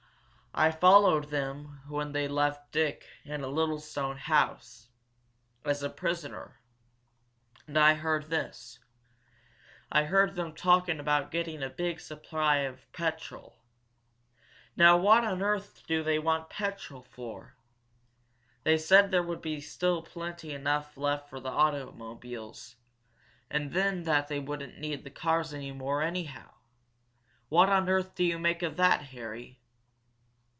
I followed them when they left Dick in a little stone house, as a prisoner, and I heard this I heard them talking about getting a big supply of petrol. Now what on earth do they want petrol for? They said there would still be plenty left for the automobiles and then that they wouldn't need the cars any more, anyhow! What on earth do you make of that, Harry?"